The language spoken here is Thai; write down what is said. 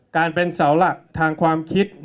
การเป็นเสาหลักทางความคิด